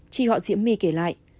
chị họ diễm my kể lại